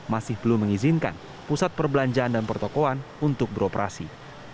masih belum mengizinkan pusat perbelanjaan dan pertokoan untuk beroperasi